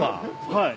はい。